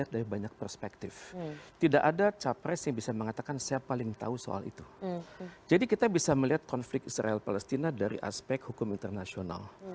dan sekarang sudah tujuh puluh tahunan